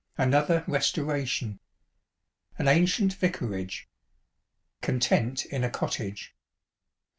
ŌĆö Another "Resto ration." ŌĆö An Ancient Vicarage. ŌĆö Content in a Cottage.